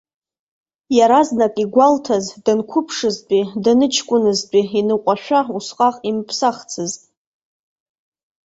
Иаразнак игәалҭаз, данқәыԥшызтәи, даныҷкәыназтәи иныҟәашәа усҟак имыԥсахцызт.